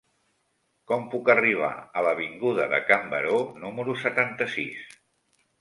Com puc arribar a l'avinguda de Can Baró número setanta-sis?